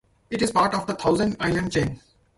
It is part of the Thousand Islands chain.